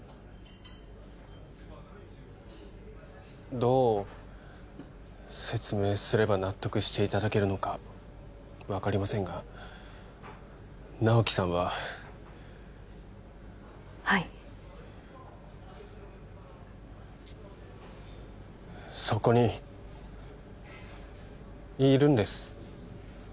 どう説明すれば納得していただけるのか分かりませんが直木さんははいそこにいるんです